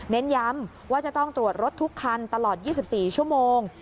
เน้นย้ำว่าจะต้องตรวจรถทุกคันตลอด๒๔ชั่วโมง